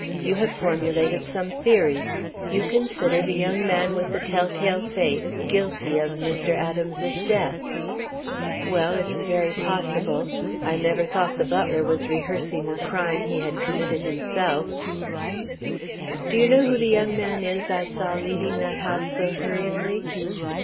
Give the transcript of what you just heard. You have formulated some theory. You consider the young man with the tell tale face guilty of Mr. Adams's death. Well, it is very possible. I never thought the butler was rehearsing a crime he had himself committed." "Do you know who the young man is I saw leaving that house so hurriedly?"